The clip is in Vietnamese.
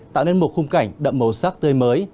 tạo nên một khung cảnh đậm màu sắc tươi mới